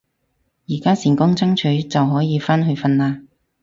而家成功爭取就可以返去瞓啦